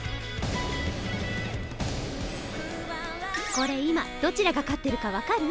これ今どちらが勝ってるか分かる？